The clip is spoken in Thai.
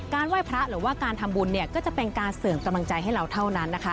ไหว้พระหรือว่าการทำบุญก็จะเป็นการเสื่อมกำลังใจให้เราเท่านั้นนะคะ